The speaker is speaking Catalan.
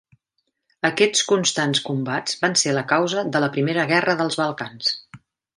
Aquests constants combats van ser la causa de la Primera Guerra dels Balcans.